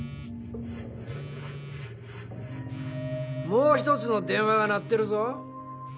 もう１つの電話が鳴ってるぞ。